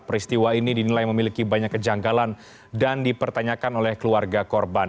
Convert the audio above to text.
peristiwa ini dinilai memiliki banyak kejanggalan dan dipertanyakan oleh keluarga korban